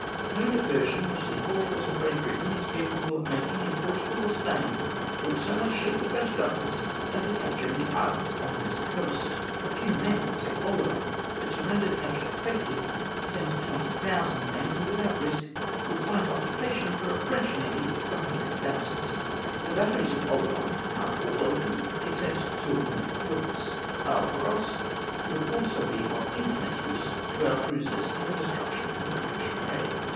" No diversion which the whole force of Great Britain is capable of making in Portugal or Spain, would so much shake the French government as the captm'e of the islands on this coast. A few men would take Oleron ; but to render the capture effective, send twenty thousand men, who, without risk, would find occupation for a French army of a hundred thousand. " The batteries on Oleron are all open, except two of no importance. Isle Grros would also be of infinite use to om cruisers in the destruction of the French trade.